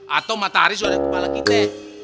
atau matahari sudah ada kepala kita